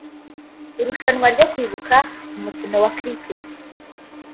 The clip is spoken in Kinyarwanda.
Irushanwa ryo kwibuka mu mukino wa Cricket